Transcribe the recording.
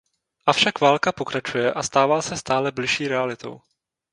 Avšak válka pokračuje a stává se stále bližší realitou.